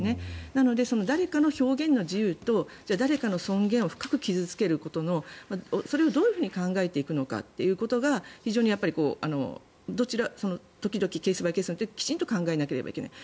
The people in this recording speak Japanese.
なので、誰かの表現の自由と誰かの尊厳を深く傷付けることそれをどう考えていくのかということが非常にケース・バイ・ケースできちんと考えなければいけない。